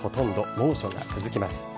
猛暑が続きます。